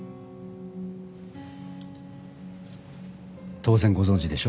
当然ご存じでしょ？